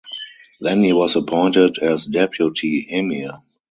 Then he was appointed as Deputy Emir.